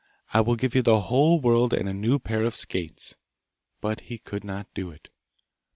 I will give you the whole world and a new pair of skates.' But he could not do it.